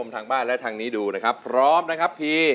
ทางบ้านและทางนี้ดูนะครับพร้อมนะครับพี่